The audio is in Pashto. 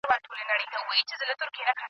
لښتې په خپلې زړسېدلو سترګو کې غم پټ کړی و.